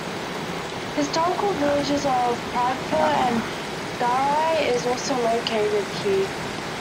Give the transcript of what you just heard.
Historical villages of Pragpur and Garli are also located here.